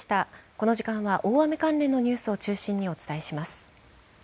この時間は大雨関連のニュースを中心にお伝えします。